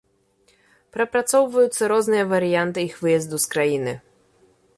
Прапрацоўваюцца розныя варыянты іх выезду з краіны.